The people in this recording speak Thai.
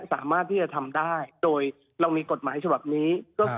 สามารถที่จะทำได้โดยเรามีกฎหมายฉบับนี้ก็คือ